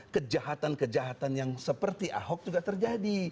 kejahatan kejahatan yang seperti ahok juga terjadi